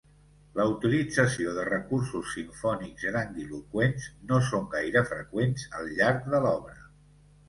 La utilització de recursos simfònics grandiloqüents no són gaire freqüents al llarg de l'obra.